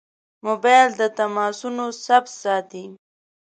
موبایل د تماسونو ثبت ساتي.